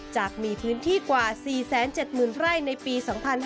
จากมีพื้นที่กว่า๔๗๐๐ไร่ในปี๒๕๕๙